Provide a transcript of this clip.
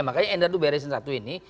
makanya endar itu beresin satu ini